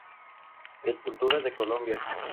Escultura de Colombia